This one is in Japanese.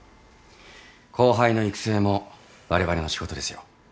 後輩の育成もわれわれの仕事ですよ。